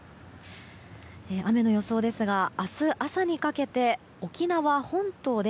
雨の予想ですが明日朝にかけて沖縄本島で